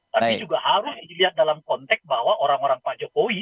tapi juga harus dilihat dalam konteks bahwa orang orang pak jokowi